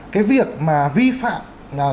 cái việc mà vi phạm